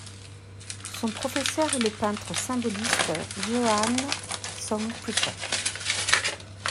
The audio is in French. Son professeur est le peintre symboliste Johan Thorn-Prikker.